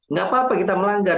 nggak apa apa kita melanggar